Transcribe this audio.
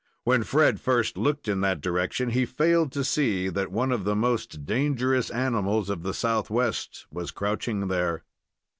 Then Fred first looked in that direction, he failed to see that one of the most dangerous animals of the Southwest was crouching there.